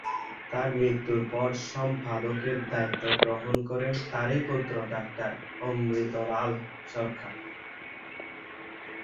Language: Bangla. তার মৃত্যুর পর সম্পাদকের দায়িত্ব গ্রহণ করেন তারই পুত্র ডাক্তার অমৃতলাল সরকার।